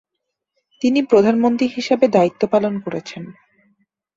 তিনি প্রধানমন্ত্রী হিসেবে দায়িত্বপালন করেছেন।